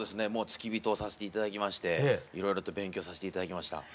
付き人をさせていただきましていろいろと勉強させていただきました。